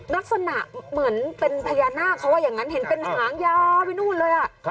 ลักษณะเหมือนเป็นพญานาคเขาว่าอย่างนั้นเห็นเป็นหางยาวไปนู่นเลย